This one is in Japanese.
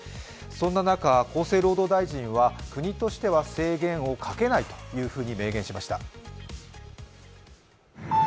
そんな中、厚生労働大臣は国としては制限をかけないと明言しました。